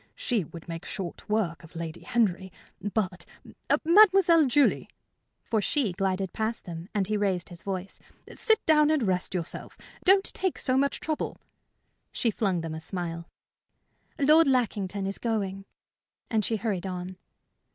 She would make short work of Lady Henry. But, Mademoiselle Julie" for she glided past them, and he raised his voice "sit down and rest yourself. Don't take so much trouble." She flung them a smile. "Lord Lackington is going," and she hurried on.